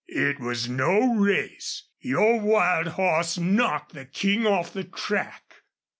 "It was no race. Your wild hoss knocked the King off the track."